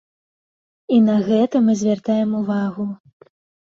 І на гэта мы звяртаем увагу.